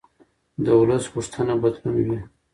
د ولس غوښتنه بدلون وي